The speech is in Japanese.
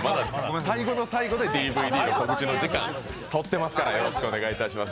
最後の最後でＤＶＤの告知の時間とってますからよろしくお願いします。